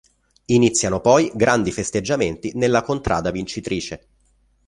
Iniziano poi grandi festeggiamenti nella contrada vincitrice.